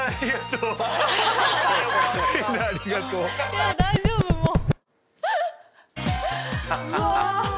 いや大丈夫もう。